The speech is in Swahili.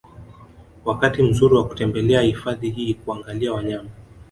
Wakati mzuri wa kutembelea hifadhi hii kuangalia wanyama